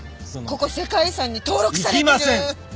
ここ世界遺産に登録されてる。